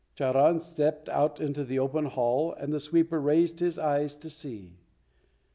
Charan stepped out into the open hall and the sweeper raised his eyes to see.